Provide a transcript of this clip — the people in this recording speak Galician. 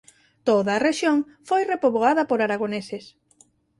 Toda a rexión foi repoboada por aragoneses.